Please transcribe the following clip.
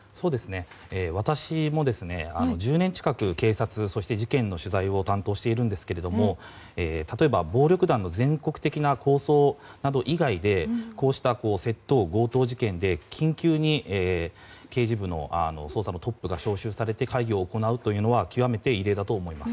私も、１０年近く警察、事件の取材を担当しているんですけれども例えば暴力団の全国的な抗争など以外でこうした窃盗・強盗事件で緊急に刑事部の捜査のトップが招集されて会議を行うというのは極めて異例だと思います。